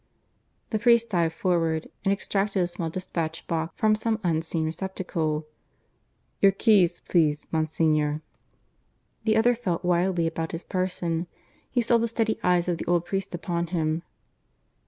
The priest dived forward and extracted a small despatch box from some unseen receptacle. "Your keys, please, Monsignor." The other felt wildly about his person. He saw the steady eyes of the old priest upon him.